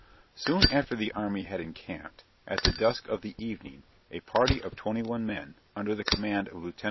Soon after the army had encamped, at the dusk of the evening, a party of twenty one men, under the command of Lieut.